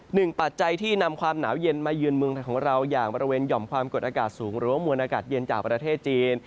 ปัจจัยที่นำความหนาวเย็นมาเยือนเมืองไทยของเราอย่างบริเวณหย่อมความกดอากาศสูงหรือว่ามวลอากาศเย็นจากประเทศจีน